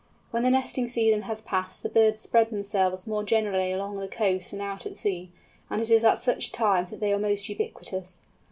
When the nesting season has passed the birds spread themselves more generally along the coast and out at sea, and it is at such times that they are most ubiquitous.